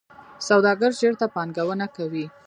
سوداګر چیرته پانګونه کوي؟